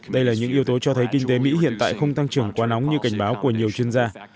đây là những yếu tố cho thấy kinh tế mỹ hiện tại không tăng trưởng quá nóng như cảnh báo của nhiều chuyên gia